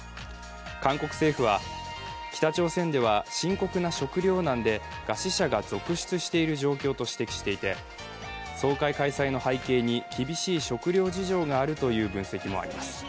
韓国政府は、北朝鮮では深刻な食糧難で餓死者が続出している状況と指摘していて、総会開催の背景に、厳しい食料事情があるという分析もあります。